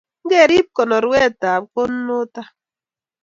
ngerib kenoretab konunotak